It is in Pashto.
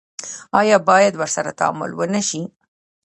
آیا باید ورسره تعامل ونشي؟